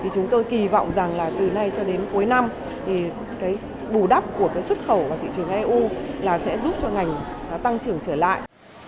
chúng tôi kỳ vọng rằng là từ nay cho đến cuối năm thì cái bù đắp của xuất khẩu vào thị trường eu là sẽ giúp cho ngành tăng trưởng trở lại